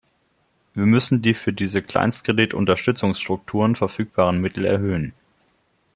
Wir müssen die für diese Kleinstkredit-Unterstützungsstrukturen verfügbaren Mittel erhöhen.